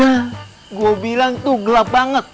nah gue bilang tuh gelap banget